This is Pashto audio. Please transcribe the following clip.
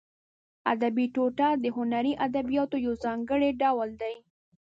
ادبي ټوټه د هنري ادبیاتو یو ځانګړی ډول دی.